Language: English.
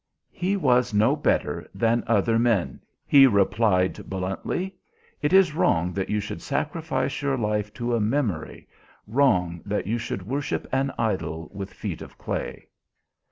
"He was no better than other men," he replied bluntly. "It is wrong that you should sacrifice your life to a memory, wrong that you should worship an idol with feet of clay."